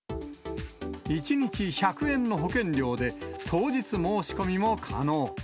１日１００円の保険料で、当日申し込みも可能。